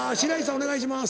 お願いします。